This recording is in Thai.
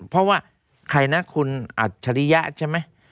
เพราะว่าใครนะคุณอัจฉริยะใช่ไหม